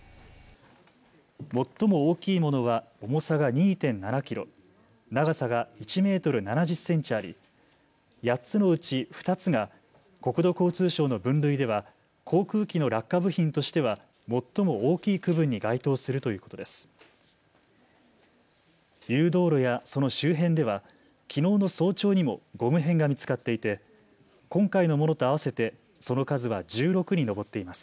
最も大きいものは重さが２．７キロ、長さが１メートル７０センチあり８つのうち２つが国土交通省の分類では航空機の落下部品としては最も大きい区分に該当するということです。